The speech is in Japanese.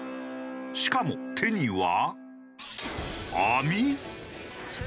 しかも手には。